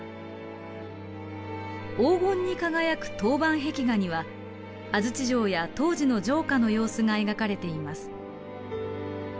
黄金に輝く陶板壁画には安土城や当時の城下の様子が描かれています。